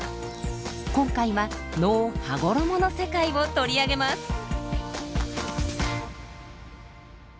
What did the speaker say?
今回は能「羽衣」の世界を取り上げます！